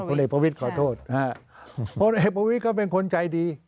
พลเอกประวิทธิ์ขอโทษพลเอกประวิทธิ์ก็เป็นคนใจดี